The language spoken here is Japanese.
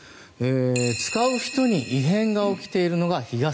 使う人に異変が起きているのが日傘。